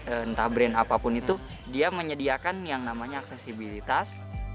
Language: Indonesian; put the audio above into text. entah brand apapun itu dia menyediakan yang namanya aksesibilitas